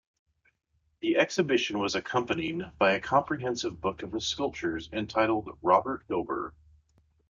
The exhibition was accompanied by a comprehensive book of his sculptures entitled Robert Gober.